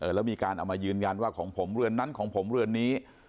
แล้วมีการเอามายืนยันว่าของผมเรือนนั้นของผมเรือนนี้